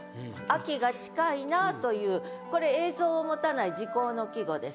秋が近いなぁというこれ映像を持たない時候の季語です。